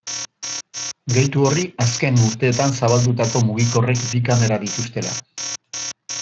Gehitu horri azken urteetan zabaldutako mugikorrek bi kamera dituztela.